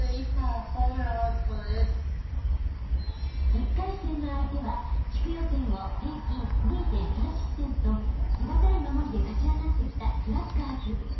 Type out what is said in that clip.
［１回戦の相手は地区予選を平均２．３失点と手堅い守りで勝ち上がってきたスラッガーズ］